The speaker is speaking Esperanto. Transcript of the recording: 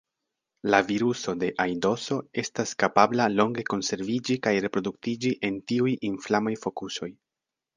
La viruso de aidoso estas kapabla longe konserviĝi kaj reproduktiĝi en tiuj inflamaj fokusoj.